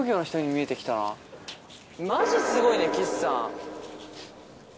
マジすごいね岸さん！